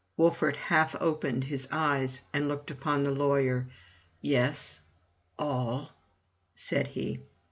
Wolfert half opened his eyes and looked upon the lawyer. "Yes— all," said he.